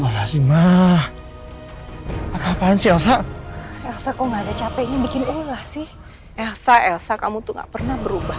hai setelah zima lalu apaan si elshad rasa kok nggak ada capeknya bikin ulah sih elsa elsa kamu tuh gak pernah berubah